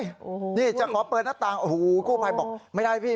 โอ้โหนี่จะขอเปิดหน้าต่างโอ้โหกู้ภัยบอกไม่ได้พี่